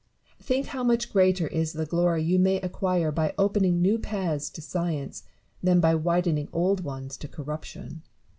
Think how much greater is the glory you may acquire by opening new paths to science, than by widening old ones to corruption.